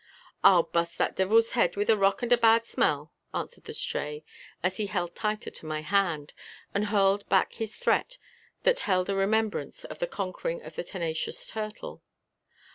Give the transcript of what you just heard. "I'll bust that devil's head with a rock and a bad smell," answered the Stray as he held tighter to my hand and hurled back his threat that held a remembrance of the conquering of the tenacious turtle.